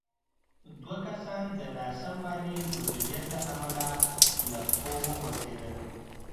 دوه کسان د ناسم مالي مدیریت له امله له پښو وغورځېدل.